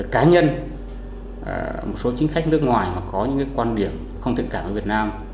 cá nhân một số chính khách nước ngoài mà có những quan điểm không tình cảm với việt nam